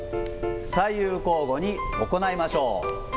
左右交互に行いましょう。